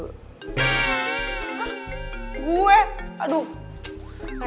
hah gue aduh